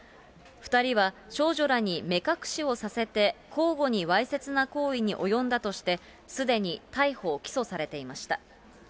２人は少女らに目隠しをさせて、交互にわいせつな行為に及んだとして、すでに逮捕・起訴されていました。